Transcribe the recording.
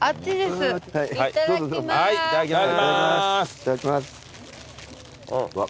いただきます。